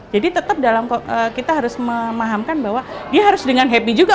jadi tetap kita harus memahamkan bahwa dia harus dengan happy juga